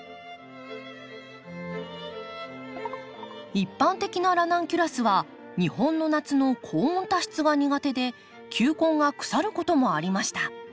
一般的なラナンキュラスは日本の夏の高温多湿が苦手で球根が腐ることもありました。